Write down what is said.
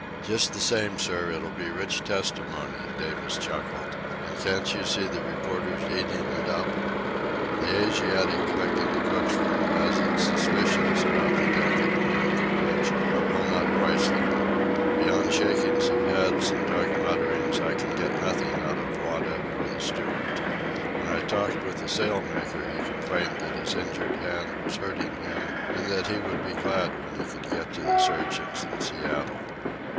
"Just the same, sir, it'll be rich testimony," Davis chuckled. "An' can't you see the reporters eatin' it up?" The Asiatic clique in the cook's room has its suspicions about the death of Marinkovich, but will not voice them. Beyond shakings of heads and dark mutterings, I can get nothing out of Wada or the steward. When I talked with the sail maker, he complained that his injured hand was hurting him and that he would be glad when he could get to the surgeons in Seattle.